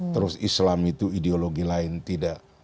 terus islam itu ideologi lain tidak